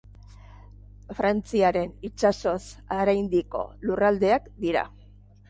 Frantziaren itsasoz haraindiko lurraldeak dira.